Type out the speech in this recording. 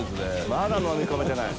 まだ飲み込めてない。